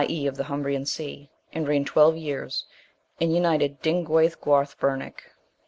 e. of the Humbrian sea, and reigned twelve years, and united* Dynguayth Guarth Berneich.